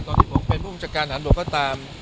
ตอนที่ผมเป็นผู้หญุงจัดการภัณฑ์มือก็ตาม